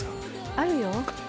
あるよ